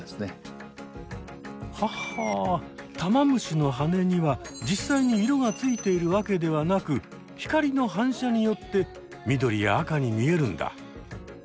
タマムシの羽には実際に色がついているわけではなく光の反射によって緑や赤に見えるんだ。